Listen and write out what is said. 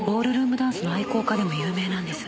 ダンスの愛好家でも有名なんです。